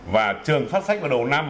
và trường phát sách vào đầu năm